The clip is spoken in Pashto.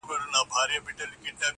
په ځنځیر د دروازې به هسي ځان مشغولوینه-